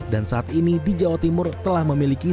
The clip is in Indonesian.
dan saat ini di jawa timur telah mendapatkan